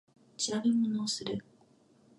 調べ物をする